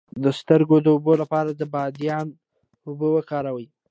د سترګو د اوبو لپاره د بادیان اوبه وکاروئ